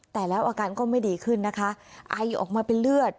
แต่แล้วอาการก็ไม่ดีขึ้นนะคะไอออกมาเป็นเลือด